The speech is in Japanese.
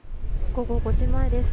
午後５時前です。